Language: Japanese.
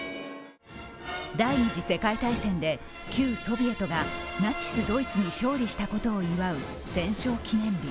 第二次世界大戦で旧ソビエトがナチス・ドイツに勝利したことを祝う戦勝記念日。